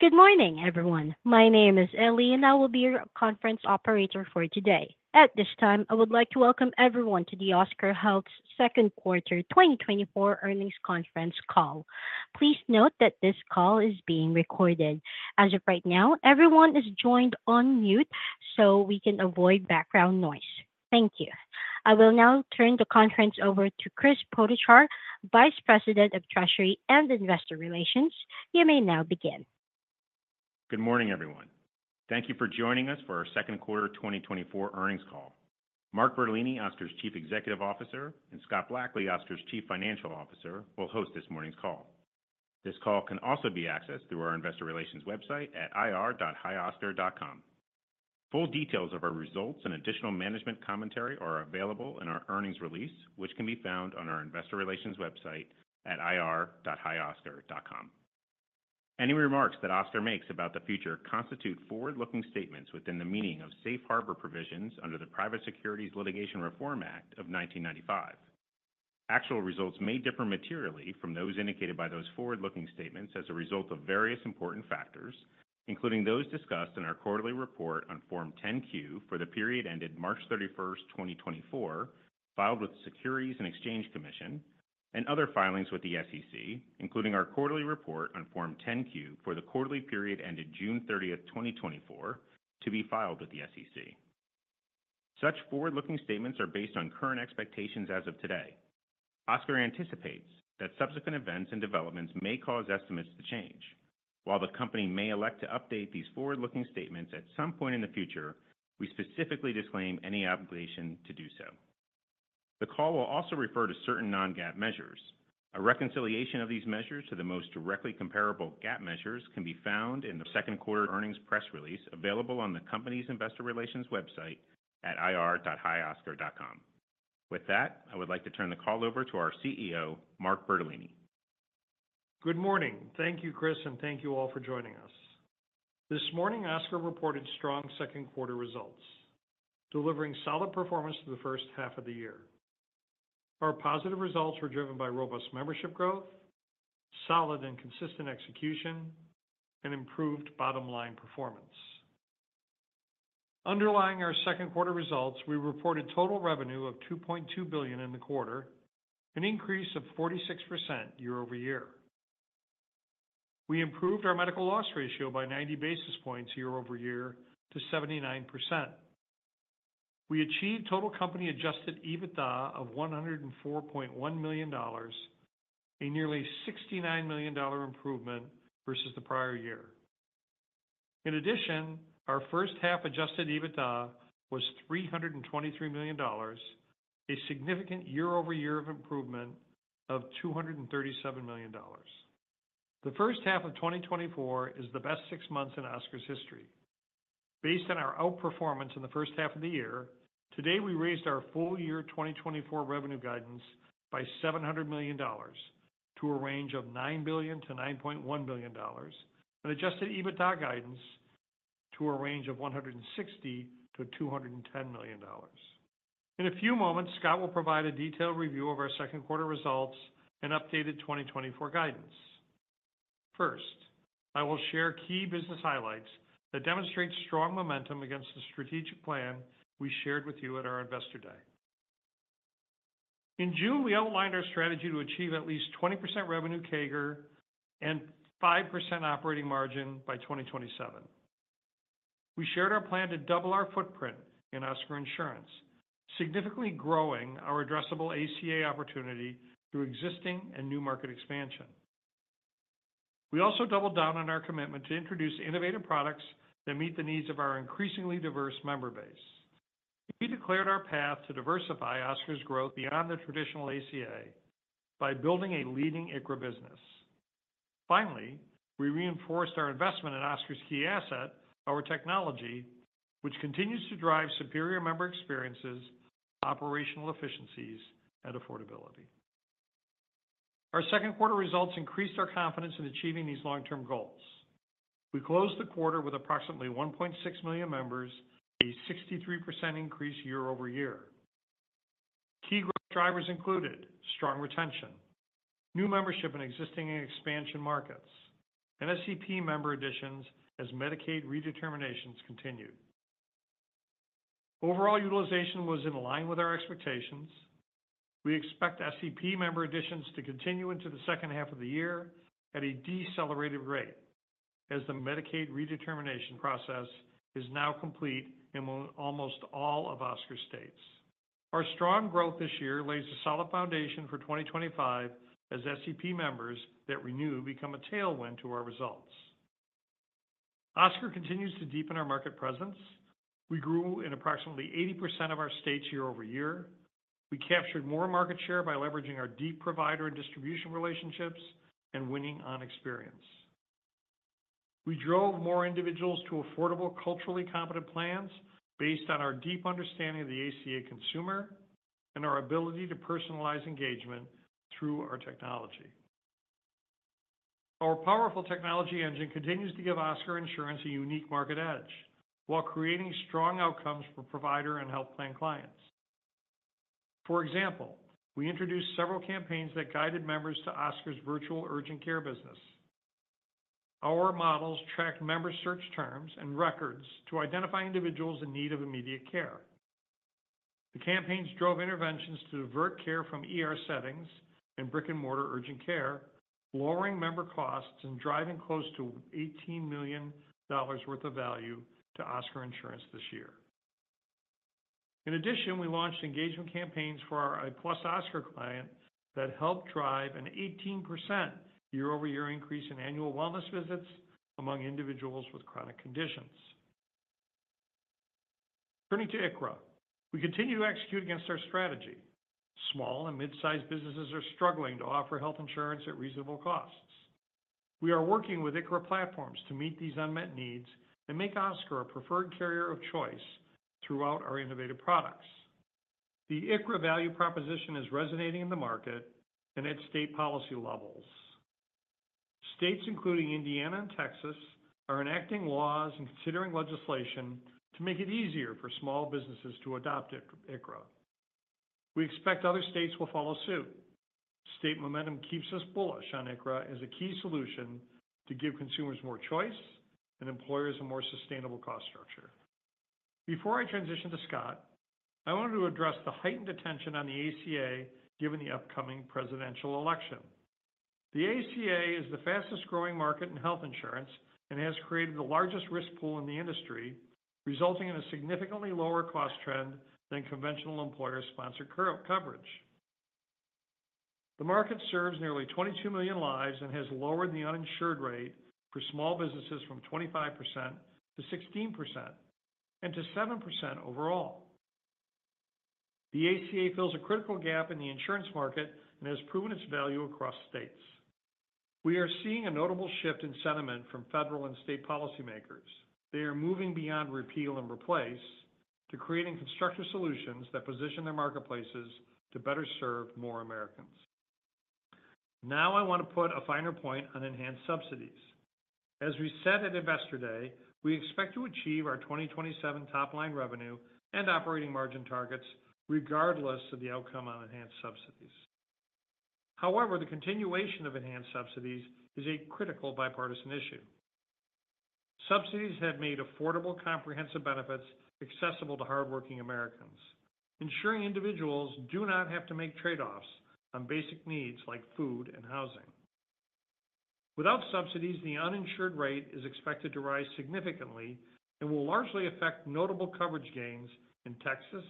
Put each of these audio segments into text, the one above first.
Good morning, everyone. My name is Ellie, and I will be your conference operator for today. At this time, I would like to welcome everyone to the Oscar Health's second quarter 2024 earnings conference call. Please note that this call is being recorded. As of right now, everyone is joined on mute so we can avoid background noise. Thank you. I will now turn the conference over to Chris Potochar, Vice President of Treasury and Investor Relations. You may now begin. Good morning, everyone. Thank you for joining us for our second quarter 2024 earnings call. Mark Bertolini, Oscar's Chief Executive Officer, and Scott Blackley, Oscar's Chief Financial Officer, will host this morning's call. This call can also be accessed through our investor relations website at ir.hioscar.com. Full details of our results and additional management commentary are available in our earnings release, which can be found on our investor relations website at ir.hioscar.com. Any remarks that Oscar makes about the future constitute forward-looking statements within the meaning of Safe Harbor Provisions under the Private Securities Litigation Reform Act of 1995. Actual results may differ materially from those indicated by those forward-looking statements as a result of various important factors, including those discussed in our quarterly report on Form 10-Q for the period ended March 31, 2024, filed with the Securities and Exchange Commission and other filings with the SEC, including our quarterly report on Form 10-Q for the quarterly period ended June 30, 2024, to be filed with the SEC. Such forward-looking statements are based on current expectations as of today. Oscar anticipates that subsequent events and developments may cause estimates to change. While the company may elect to update these forward-looking statements at some point in the future, we specifically disclaim any obligation to do so. The call will also refer to certain non-GAAP measures. A reconciliation of these measures to the most directly comparable GAAP measures can be found in the second quarter earnings press release, available on the company's investor relations website at ir.hioscar.com. With that, I would like to turn the call over to our CEO, Mark Bertolini. Good morning. Thank you, Chris, and thank you all for joining us. This morning, Oscar reported strong second quarter results, delivering solid performance to the first half of the year. Our positive results were driven by robust membership growth, solid and consistent execution, and improved bottom line performance. Underlying our second quarter results, we reported total revenue of $2.2 billion in the quarter, an increase of 46% year-over-year. We improved our medical loss ratio by 90 basis points year-over-year to 79%. We achieved total company adjusted EBITDA of $104.1 million, a nearly $69 million improvement versus the prior year. In addition, our first half adjusted EBITDA was $323 million, a significant year-over-year of improvement of $237 million. The first half of 2024 is the best six months in Oscar's history. Based on our outperformance in the first half of the year, today, we raised our full year 2024 revenue guidance by $700 million to a range of $9 billion-$9.1 billion, and adjusted EBITDA guidance to a range of $160 million-$210 million. In a few moments, Scott will provide a detailed review of our second quarter results and updated 2024 guidance. First, I will share key business highlights that demonstrate strong momentum against the strategic plan we shared with you at our Investor Day. In June, we outlined our strategy to achieve at least 20% revenue CAGR and 5% operating margin by 2027. We shared our plan to double our footprint in Oscar Insurance, significantly growing our addressable ACA opportunity through existing and new market expansion. We also doubled down on our commitment to introduce innovative products that meet the needs of our increasingly diverse member base. We declared our path to diversify Oscar's growth beyond the traditional ACA by building a leading ICHRA business. Finally, we reinforced our investment in Oscar's key asset, our technology, which continues to drive superior member experiences, operational efficiencies, and affordability. Our second quarter results increased our confidence in achieving these long-term goals. We closed the quarter with approximately 1.6 million members, a 63% increase year-over-year. Key growth drivers included: strong retention, new membership in existing and expansion markets, and SEP member additions as Medicaid redeterminations continued. Overall utilization was in line with our expectations. We expect SEP member additions to continue into the second half of the year at a decelerated rate, as the Medicaid redetermination process is now complete in almost all of Oscar states. Our strong growth this year lays a solid foundation for 2025 as SEP members that renew become a tailwind to our results. Oscar continues to deepen our market presence. We grew in approximately 80% of our states year-over-year. We captured more market share by leveraging our deep provider and distribution relationships and winning on experience. We drove more individuals to affordable, culturally competent plans based on our deep understanding of the ACA consumer and our ability to personalize engagement through our technology. Our powerful technology engine continues to give Oscar Insurance a unique market edge while creating strong outcomes for provider and health plan clients.... For example, we introduced several campaigns that guided members to Oscar's virtual urgent care business. Our models tracked member search terms and records to identify individuals in need of immediate care. The campaigns drove interventions to divert care from ER settings and brick-and-mortar urgent care, lowering member costs and driving close to $18 million worth of value to Oscar Insurance this year. In addition, we launched engagement campaigns for our +Oscar client that helped drive an 18% year-over-year increase in annual wellness visits among individuals with chronic conditions. Turning to ICHRA, we continue to execute against our strategy. Small and mid-sized businesses are struggling to offer health insurance at reasonable costs. We are working with ICHRA platforms to meet these unmet needs and make Oscar a preferred carrier of choice throughout our innovative products. The IICHRA value proposition is resonating in the market and at state policy levels. States including Indiana and Texas are enacting laws and considering legislation to make it easier for small businesses to adopt IC-ICHRA. We expect other states will follow suit. State momentum keeps us bullish on ICHRA as a key solution to give consumers more choice and employers a more sustainable cost structure. Before I transition to Scott, I wanted to address the heightened attention on the ACA, given the upcoming presidential election. The ACA is the fastest-growing market in health insurance and has created the largest risk pool in the industry, resulting in a significantly lower cost trend than conventional employer-sponsored coverage. The market serves nearly 22 million lives and has lowered the uninsured rate for small businesses from 25% to 16%, and to 7% overall. The ACA fills a critical gap in the insurance market and has proven its value across states. We are seeing a notable shift in sentiment from federal and state policymakers. They are moving beyond repeal and replace, to creating constructive solutions that position their marketplaces to better serve more Americans. Now, I want to put a finer point on enhanced subsidies. As we said at Investor Day, we expect to achieve our 2027 top-line revenue and operating margin targets regardless of the outcome on enhanced subsidies. However, the continuation of enhanced subsidies is a critical bipartisan issue. Subsidies have made affordable, comprehensive benefits accessible to hardworking Americans, ensuring individuals do not have to make trade-offs on basic needs like food and housing. Without subsidies, the uninsured rate is expected to rise significantly and will largely affect notable coverage gains in Texas,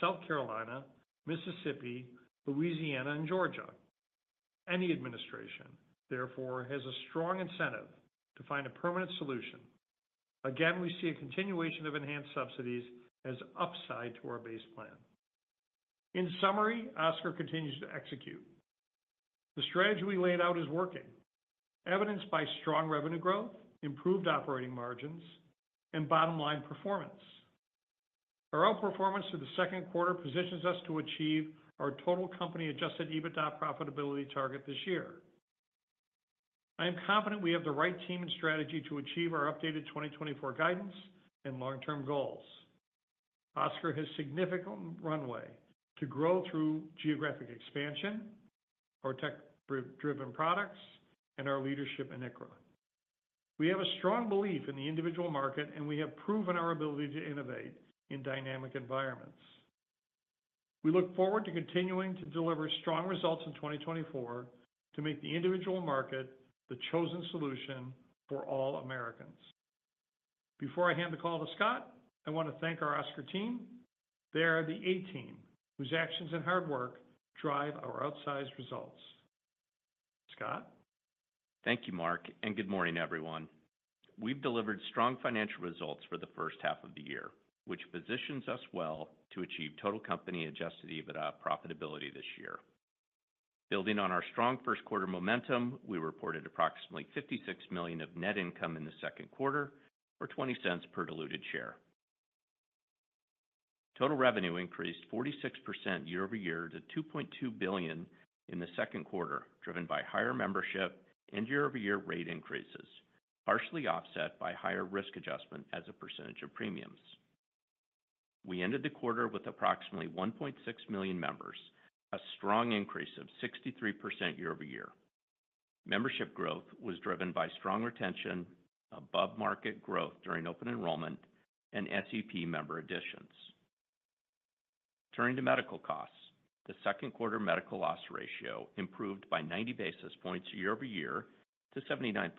South Carolina, Mississippi, Louisiana, and Georgia. Any administration, therefore, has a strong incentive to find a permanent solution. Again, we see a continuation of enhanced subsidies as upside to our base plan. In summary, Oscar continues to execute. The strategy we laid out is working, evidenced by strong revenue growth, improved operating margins, and bottom-line performance. Our outperformance through the second quarter positions us to achieve our total company Adjusted EBITDA profitability target this year. I am confident we have the right team and strategy to achieve our updated 2024 guidance and long-term goals. Oscar has significant runway to grow through geographic expansion, our tech-driven products, and our leadership in ICHRA. We have a strong belief in the individual market, and we have proven our ability to innovate in dynamic environments. We look forward to continuing to deliver strong results in 2024 to make the individual market the chosen solution for all Americans. Before I hand the call to Scott, I want to thank our Oscar team. They are the A team, whose actions and hard work drive our outsized results. Scott? Thank you, Mark, and good morning, everyone. We've delivered strong financial results for the first half of the year, which positions us well to achieve total company Adjusted EBITDA profitability this year. Building on our strong first quarter momentum, we reported approximately $56 million of net income in the second quarter, or $0.20 per diluted share. Total revenue increased 46% year-over-year to $2.2 billion in the second quarter, driven by higher membership and year-over-year rate increases, partially offset by higher risk adjustment as a percentage of premiums. We ended the quarter with approximately 1.6 million members, a strong increase of 63% year-over-year. Membership growth was driven by strong retention, above-market growth during open enrollment, and SEP member additions. Turning to medical costs, the second quarter medical loss ratio improved by 90 basis points year-over-year to 79%,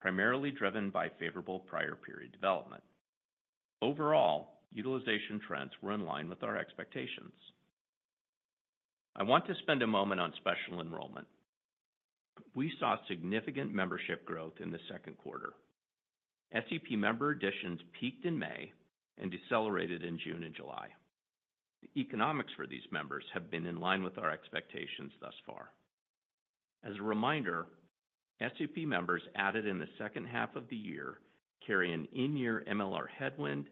primarily driven by favorable prior period development. Overall, utilization trends were in line with our expectations. I want to spend a moment on special enrollment. We saw significant membership growth in the second quarter. SEP member additions peaked in May and decelerated in June and July. The economics for these members have been in line with our expectations thus far. As a reminder, SEP members added in the second half of the year carry an in-year MLR headwind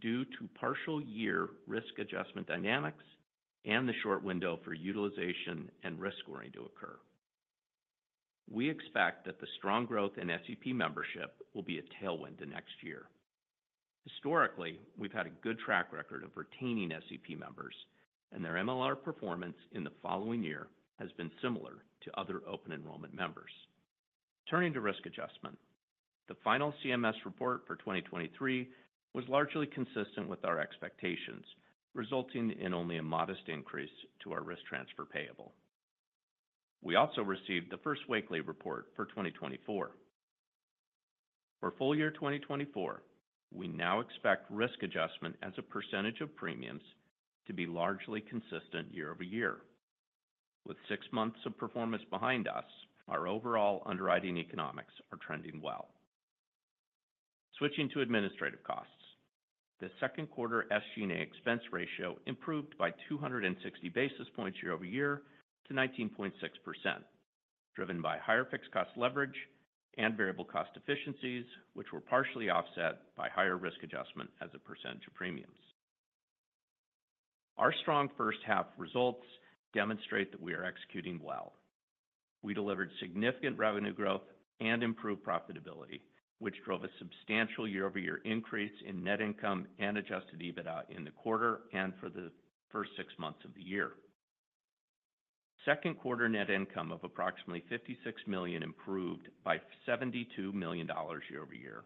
due to partial year risk adjustment dynamics and the short window for utilization and risk scoring to occur. We expect that the strong growth in SEP membership will be a tailwind to next year. Historically, we've had a good track record of retaining SEP members, and their MLR performance in the following year has been similar to other open enrollment members. Turning to risk adjustment. The final CMS report for 2023 was largely consistent with our expectations, resulting in only a modest increase to our risk transfer payable. We also received the first weekly report for 2024. For full year 2024, we now expect risk adjustment as a percentage of premiums to be largely consistent year-over-year. With six months of performance behind us, our overall underwriting economics are trending well. Switching to administrative costs. The second quarter SG&A expense ratio improved by 260 basis points year-over-year to 19.6%, driven by higher fixed cost leverage and variable cost efficiencies, which were partially offset by higher risk adjustment as a percentage of premiums. Our strong first half results demonstrate that we are executing well. We delivered significant revenue growth and improved profitability, which drove a substantial year-over-year increase in net income and Adjusted EBITDA in the quarter and for the first six months of the year. Second quarter net income of approximately $56 million improved by $72 million year-over-year.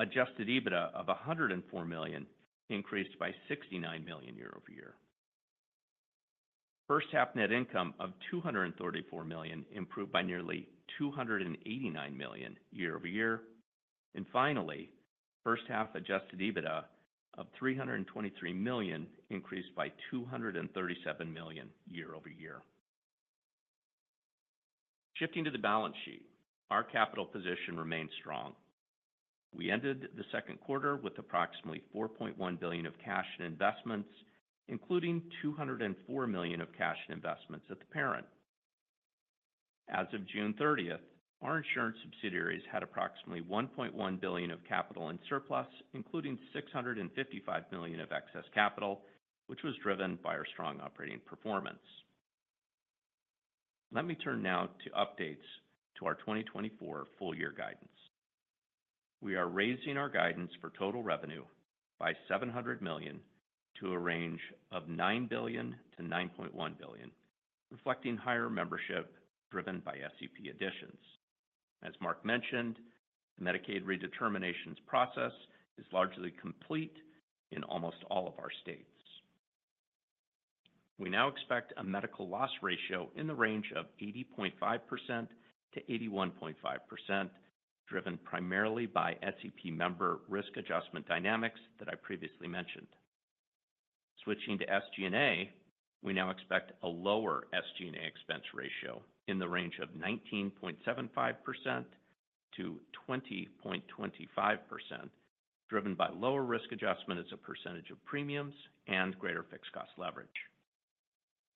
Adjusted EBITDA of $104 million increased by $69 million year-over-year. First half net income of $234 million improved by nearly $289 million year-over-year. And finally, first half Adjusted EBITDA of $323 million increased by $237 million year-over-year. Shifting to the balance sheet, our capital position remains strong. We ended the second quarter with approximately $4.1 billion of cash and investments, including $204 million of cash and investments at the parent. As of June 30, our insurance subsidiaries had approximately $1.1 billion of capital and surplus, including $655 million of excess capital, which was driven by our strong operating performance. Let me turn now to updates to our 2024 full year guidance. We are raising our guidance for total revenue by $700 million to a range of $9 billion-$9.1 billion, reflecting higher membership driven by SEP additions. As Mark mentioned, the Medicaid redeterminations process is largely complete in almost all of our states. We now expect a medical loss ratio in the range of 80.5%-81.5%, driven primarily by SEP member risk adjustment dynamics that I previously mentioned. Switching to SG&A, we now expect a lower SG&A expense ratio in the range of 19.75%-20.25%, driven by lower risk adjustment as a percentage of premiums and greater fixed cost leverage.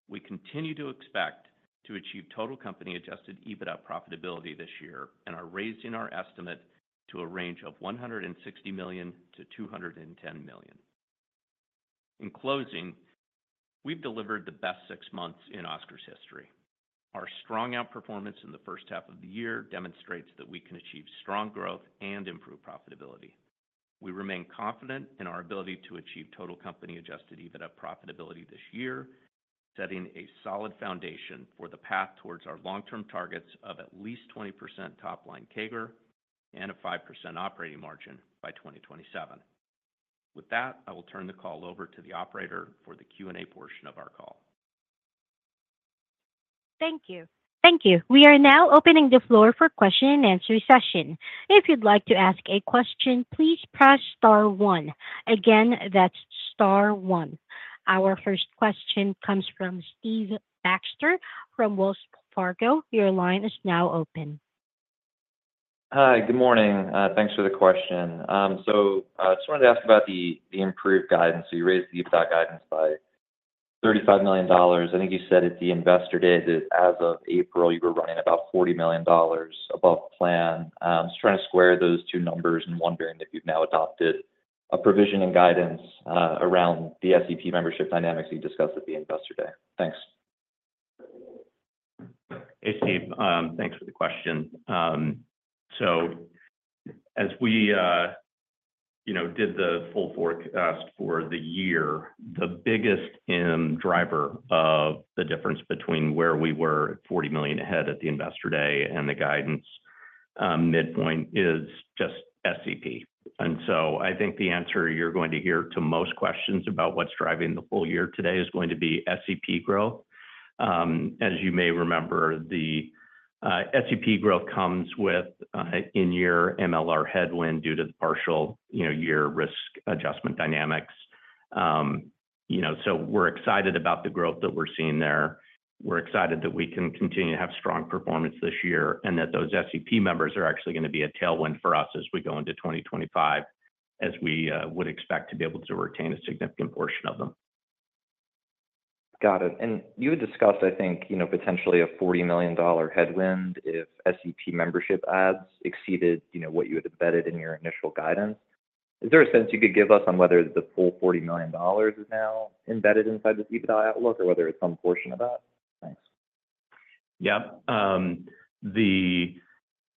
We continue to expect to achieve total company adjusted EBITDA profitability this year and are raising our estimate to a range of $160 million-$210 million. In closing, we've delivered the best six months in Oscar's history. Our strong outperformance in the first half of the year demonstrates that we can achieve strong growth and improve profitability. We remain confident in our ability to achieve total company adjusted EBITDA profitability this year, setting a solid foundation for the path towards our long-term targets of at least 20% top line CAGR and a 5% operating margin by 2027. With that, I will turn the call over to the operator for the Q&A portion of our call. Thank you. Thank you. We are now opening the floor for question and answer session. If you'd like to ask a question, please press star one. Again, that's star one. Our first question comes from Steve Baxter from Wells Fargo. Your line is now open. Hi, good morning. Thanks for the question. So, just wanted to ask about the improved guidance. So you raised the EBITDA guidance by $35 million. I think you said at the Investor Day that as of April, you were running about $40 million above plan. Just trying to square those two numbers and wondering if you've now adopted a provision and guidance around the SEP membership dynamics you discussed at the Investor Day. Thanks. Hey, Steve, thanks for the question. So as we, you know, did the full forecast for the year, the biggest driver of the difference between where we were at $40 million ahead at the Investor Day and the guidance midpoint is just SEP. And so I think the answer you're going to hear to most questions about what's driving the full year today is going to be SEP growth. As you may remember, the SEP growth comes with in-year MLR headwind due to the partial, you know, year risk adjustment dynamics. You know, so we're excited about the growth that we're seeing there. We're excited that we can continue to have strong performance this year, and that those SEP members are actually gonna be a tailwind for us as we go into 2025, as we would expect to be able to retain a significant portion of them. Got it. You had discussed, I think, you know, potentially a $40 million headwind if SEP membership adds exceeded, you know, what you had embedded in your initial guidance.... Is there a sense you could give us on whether the full $49 million is now embedded inside the EBITDA outlook, or whether it's some portion of that? Thanks. Yeah.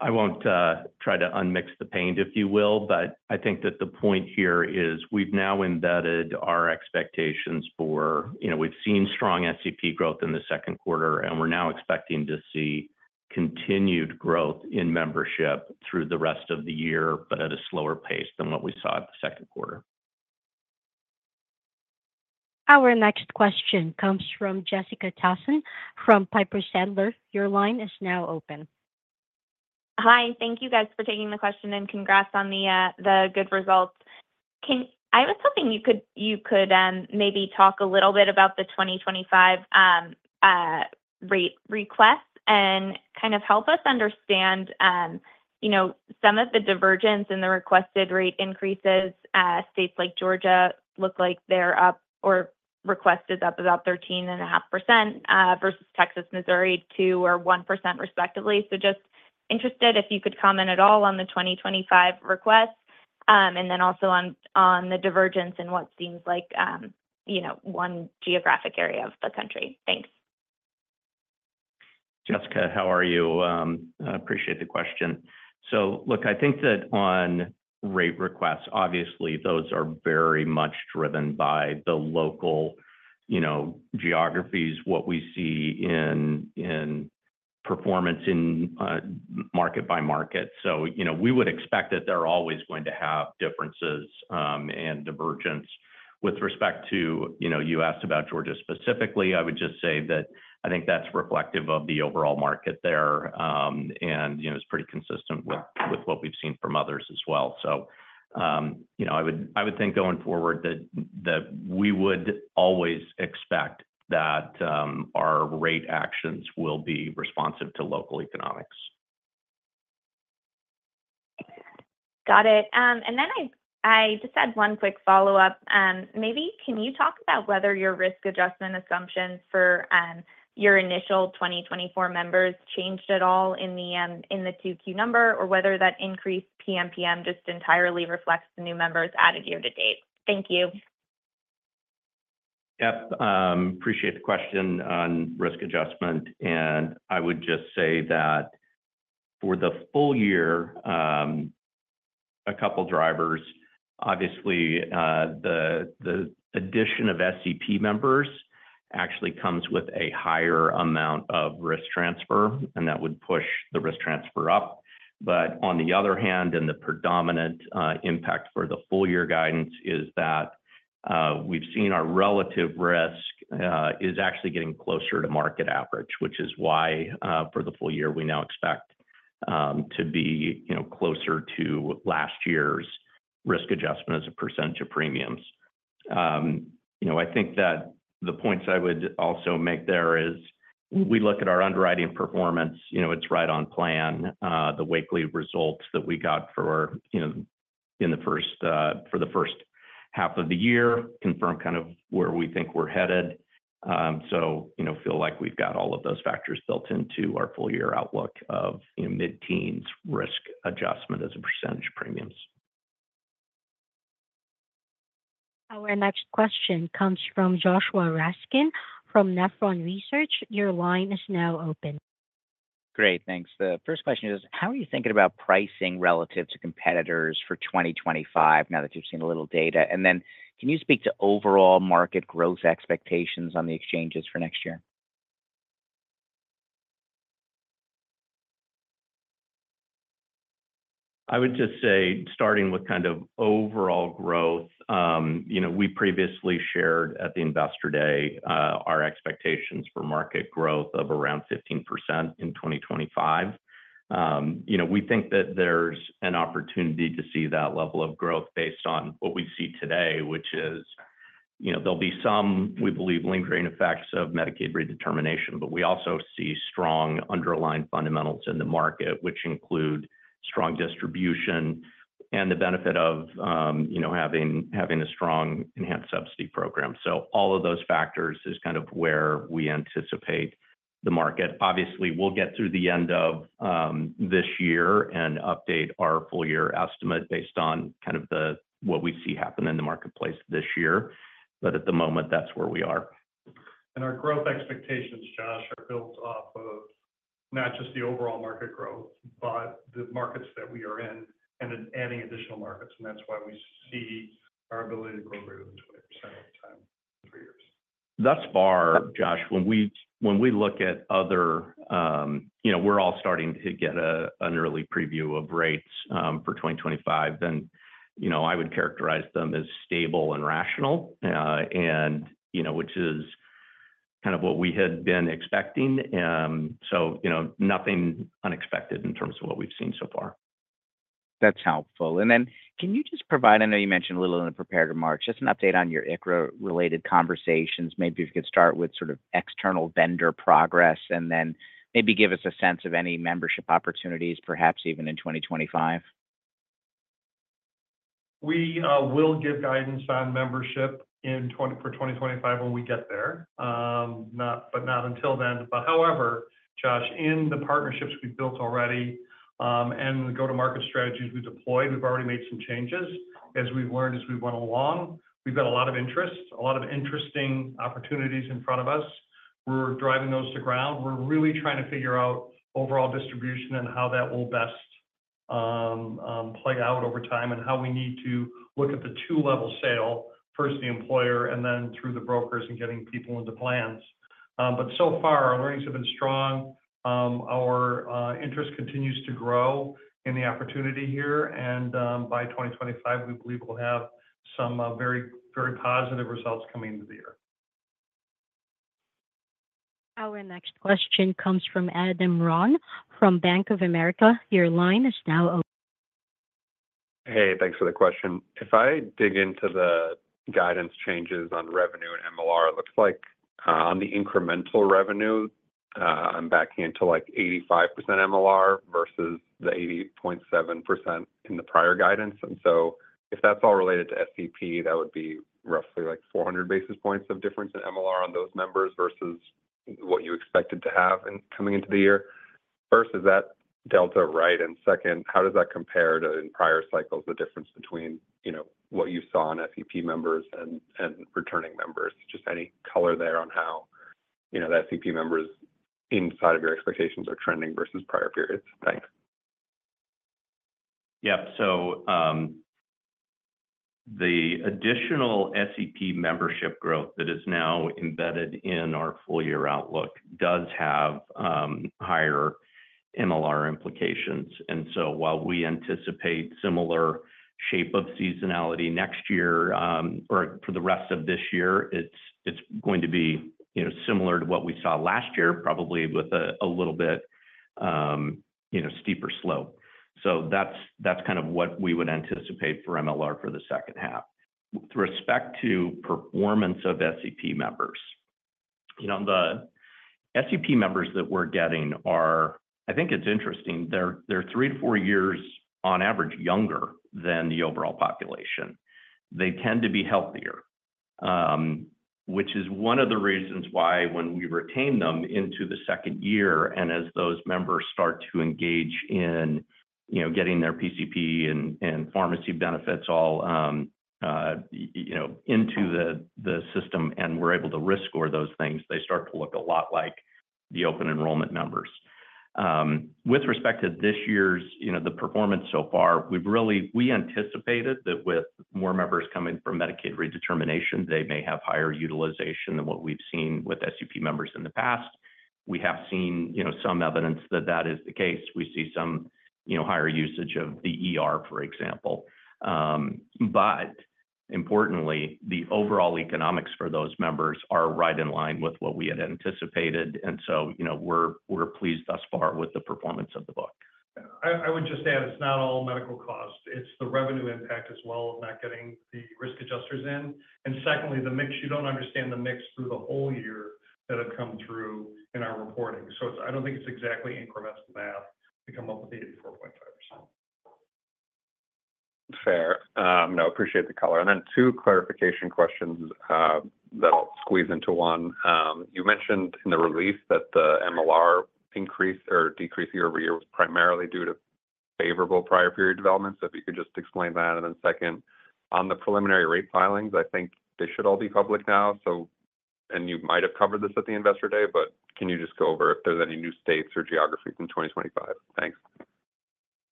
I won't try to unmix the paint, if you will, but I think that the point here is we've now embedded our expectations for, you know, we've seen strong SEP growth in the second quarter, and we're now expecting to see continued growth in membership through the rest of the year, but at a slower pace than what we saw at the second quarter. Our next question comes from Jessica Tassan from Piper Sandler. Your line is now open. Hi, thank you, guys, for taking the question, and congrats on the good results. I was hoping you could, you could, maybe talk a little bit about the 2025 request, and kind of help us understand, you know, some of the divergence in the requested rate increases. States like Georgia look like they're up or requested up about 13.5%, versus Texas, Missouri, 2% or 1% respectively. So just interested if you could comment at all on the 2025 request, and then also on the divergence in what seems like, you know, one geographic area of the country. Thanks. Jessica, how are you? I appreciate the question. So look, I think that on rate requests, obviously, those are very much driven by the local, you know, geographies, what we see in, in performance in market by market. So, you know, we would expect that they're always going to have differences, and divergence. With respect to, you know, you asked about Georgia specifically, I would just say that I think that's reflective of the overall market there, and, you know, it's pretty consistent with, with what we've seen from others as well. So, you know, I would, I would think going forward that, that we would always expect that, our rate actions will be responsive to local economics. Got it. And then I just had one quick follow-up. Maybe can you talk about whether your risk adjustment assumptions for your initial 2024 members changed at all in the 2Q number, or whether that increased PMPM just entirely reflects the new members added year to date? Thank you. Yep. Appreciate the question on Risk Adjustment, and I would just say that for the full year, a couple of drivers, obviously, the addition of SEP members actually comes with a higher amount of risk transfer, and that would push the risk transfer up. But on the other hand, and the predominant impact for the full-year guidance is that, we've seen our relative risk is actually getting closer to market average, which is why, for the full year, we now expect to be, you know, closer to last year's Risk Adjustment as a percent to premiums. You know, I think that the points I would also make there is, we look at our underwriting performance, you know, it's right on plan. The Wakely results that we got for, you know, in the first, for the first half of the year confirmed kind of where we think we're headed. So, you know, feel like we've got all of those factors built into our full year outlook of, you know, mid-teens risk adjustment as a percentage premiums. Our next question comes from Joshua Raskin, from Nephron Research. Your line is now open. Great, thanks. The first question is, how are you thinking about pricing relative to competitors for 2025, now that you've seen a little data? And then can you speak to overall market growth expectations on the exchanges for next year? I would just say, starting with kind of overall growth, you know, we previously shared at the Investor Day, our expectations for market growth of around 15% in 2025. You know, we think that there's an opportunity to see that level of growth based on what we see today, which is, you know, there'll be some, we believe, lingering effects of Medicaid redetermination. But we also see strong underlying fundamentals in the market, which include strong distribution and the benefit of, you know, having, having a strong enhanced subsidy program. So all of those factors is kind of where we anticipate the market. Obviously, we'll get through the end of, this year and update our full year estimate based on kind of the, what we see happen in the marketplace this year. But at the moment, that's where we are. Our growth expectations, Josh, are built off of not just the overall market growth, but the markets that we are in and then adding additional markets, and that's why we see our ability to grow greater than 20% over time for years. Thus far, Josh, when we, when we look at other, you know, we're all starting to get a, an early preview of rates for 2025, then, you know, I would characterize them as stable and rational, and, you know, which is kind of what we had been expecting. So, you know, nothing unexpected in terms of what we've seen so far. That's helpful. And then can you just provide, I know you mentioned a little in the prepared remarks, just an update on your ICRA-related conversations. Maybe if you could start with sort of external vendor progress, and then maybe give us a sense of any membership opportunities, perhaps even in 2025?... We will give guidance on membership in 2024 for 2025 when we get there, but not until then. But however, Josh, in the partnerships we've built already, and the go-to-market strategies we deployed, we've already made some changes as we've learned, as we've went along. We've got a lot of interest, a lot of interesting opportunities in front of us. We're driving those to ground. We're really trying to figure out overall distribution and how that will best play out over time, and how we need to look at the two-level sale. First, the employer, and then through the brokers and getting people into plans. But so far, our learnings have been strong. Our interest continues to grow in the opportunity here, and by 2025, we believe we'll have some very, very positive results coming into the year. Our next question comes from Adam Ron from Bank of America. Your line is now open. Hey, thanks for the question. If I dig into the guidance changes on revenue and MLR, it looks like on the incremental revenue, I'm backing into, like, 85% MLR versus the 80.7% in the prior guidance. And so if that's all related to SEP, that would be roughly like 400 basis points of difference in MLR on those members versus what you expected to have in coming into the year. First, is that delta right? And second, how does that compare to in prior cycles, the difference between, you know, what you saw in SEP members and returning members? Just any color there on how, you know, the SEP members inside of your expectations are trending versus prior periods. Thanks. Yeah. So, the additional SEP membership growth that is now embedded in our full year outlook does have higher MLR implications. And so while we anticipate similar shape of seasonality next year, or for the rest of this year, it's going to be, you know, similar to what we saw last year, probably with a little bit, you know, steeper slope. So that's kind of what we would anticipate for MLR for the second half. With respect to performance of SEP members, you know, the SEP members that we're getting are... I think it's interesting, they're 3-4 years on average, younger than the overall population. They tend to be healthier, which is one of the reasons why, when we retain them into the second year, and as those members start to engage in, you know, getting their PCP and pharmacy benefits, all you know into the system, and we're able to risk-score those things, they start to look a lot like the open enrollment members. With respect to this year's, you know, the performance so far, we've really, we anticipated that with more members coming from Medicaid redetermination, they may have higher utilization than what we've seen with SEP members in the past. We have seen, you know, some evidence that that is the case. We see some, you know, higher usage of the ER, for example. But importantly, the overall economics for those members are right in line with what we had anticipated, and so, you know, we're pleased thus far with the performance of the book. I would just add, it's not all medical costs, it's the revenue impact as well of not getting the risk adjusters in. And secondly, the mix. You don't understand the mix through the whole year that have come through in our reporting. So it's. I don't think it's exactly incremental math to come up with the 84.5%. Fair. No, appreciate the color. And then two clarification questions that I'll squeeze into one. You mentioned in the release that the MLR increase or decrease year-over-year was primarily due to favorable prior period development. So if you could just explain that, and then second, on the preliminary rate filings, I think they should all be public now. So, and you might have covered this at the Investor Day, but can you just go over if there's any new states or geographies in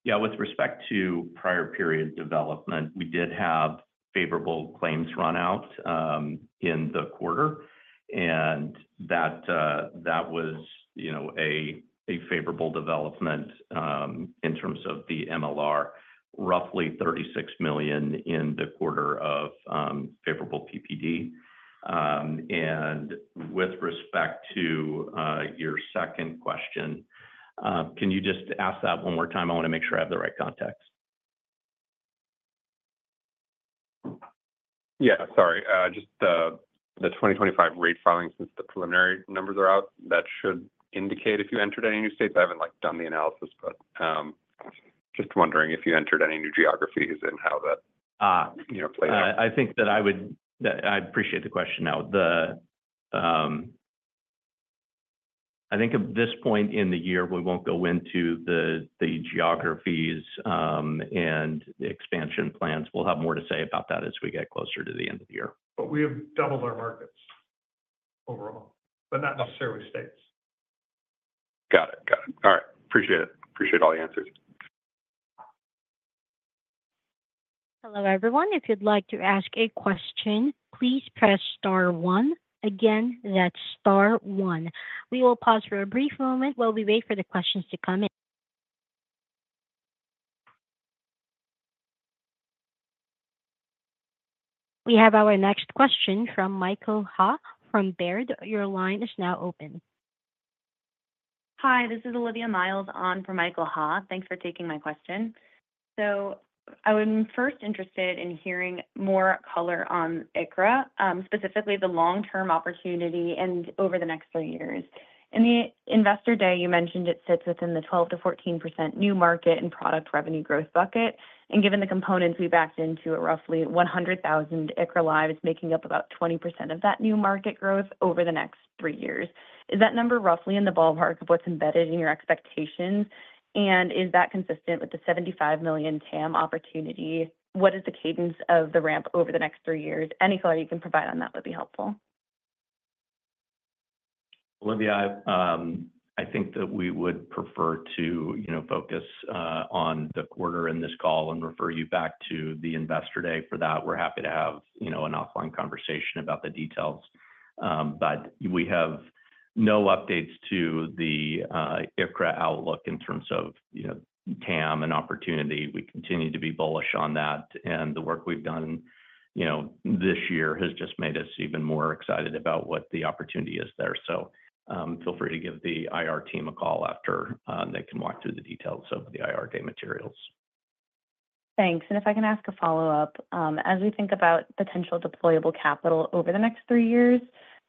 2025? Thanks. Yeah. With respect to prior period development, we did have favorable claims runout, in the quarter, and that, that was, you know, a favorable development, in terms of the MLR, roughly $36 million in the quarter of favorable PPD. With respect to your second question, can you just ask that one more time? I want to make sure I have the right context. Yeah. Sorry, just the 2025 rate filings, since the preliminary numbers are out, that should indicate if you entered any new states. I haven't, like, done the analysis, but just wondering if you entered any new geographies and how that- Ah. you know, played out. I appreciate the question now. I think at this point in the year, we won't go into the geographies and the expansion plans. We'll have more to say about that as we get closer to the end of the year. But we have doubled our markets overall, but not necessarily states. Got it. Got it. All right. Appreciate it. Appreciate all the answers. Hello, everyone. If you'd like to ask a question, please press star one. Again, that's star one. We will pause for a brief moment while we wait for the questions to come in. We have our next question from Michael Ha from Baird. Your line is now open.... Hi, this is Olivia Brayer on for Michael Ha. Thanks for taking my question. So I was first interested in hearing more color on ICRA, specifically the long-term opportunity and over the next three years. In the Investor Day, you mentioned it sits within the 12%-14% new market and product revenue growth bucket, and given the components, we backed into it, roughly 100,000 ICHRA lives is making up about 20% of that new market growth over the next three years. Is that number roughly in the ballpark of what's embedded in your expectations? And is that consistent with the $75 million TAM opportunity? What is the cadence of the ramp over the next three years? Any color you can provide on that would be helpful. Olivia, I think that we would prefer to, you know, focus on the quarter in this call and refer you back to the Investor Day. For that, we're happy to have, you know, an offline conversation about the details. But we have no updates to the ICRA outlook in terms of, you know, TAM and opportunity. We continue to be bullish on that, and the work we've done, you know, this year has just made us even more excited about what the opportunity is there. So, feel free to give the IR team a call after; they can walk through the details of the IR Day materials. Thanks. If I can ask a follow-up. As we think about potential deployable capital over the next three years,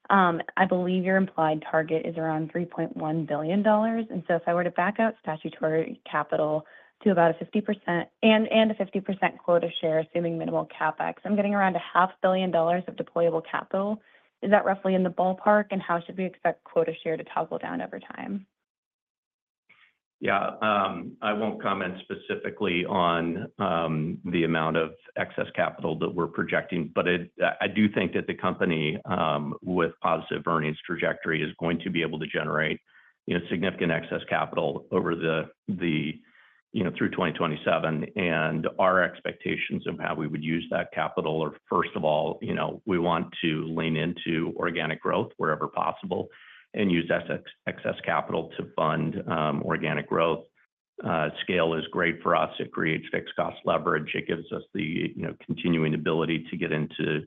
I believe your implied target is around $3.1 billion. So if I were to back out statutory capital to about a 50% and a 50% quota share, assuming minimal CapEx, I'm getting around $500 million of deployable capital. Is that roughly in the ballpark, and how should we expect quota share to toggle down over time? Yeah, I won't comment specifically on the amount of excess capital that we're projecting, but I do think that the company with positive earnings trajectory is going to be able to generate, you know, significant excess capital over the, you know, through 2027. And our expectations of how we would use that capital are, first of all, you know, we want to lean into organic growth wherever possible and use excess capital to fund organic growth. Scale is great for us. It creates fixed cost leverage. It gives us the, you know, continuing ability to get into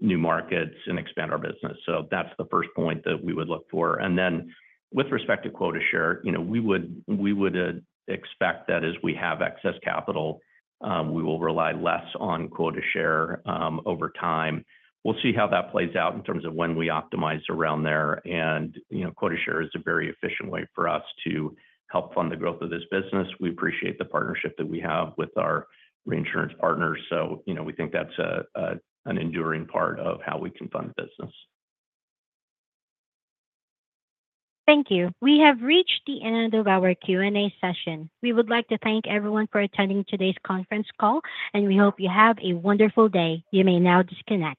new markets and expand our business. So that's the first point that we would look for. Then, with respect to Quota Share, you know, we would expect that as we have excess capital, we will rely less on Quota Share over time. We'll see how that plays out in terms of when we optimize around there. You know, Quota Share is a very efficient way for us to help fund the growth of this business. We appreciate the partnership that we have with our reinsurance partners, so, you know, we think that's an enduring part of how we can fund the business. Thank you. We have reached the end of our Q&A session. We would like to thank everyone for attending today's conference call, and we hope you have a wonderful day. You may now disconnect.